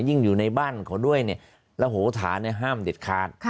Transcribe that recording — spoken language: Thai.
ยิ่งอยู่ในบ้านเขาด้วยเนี่ยระโหฐาเนี่ยห้ามเด็ดคาด